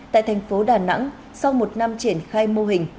tại thành phố đà nẵng sau một năm triển khai mô hình